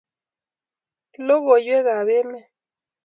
logoiwek ab emet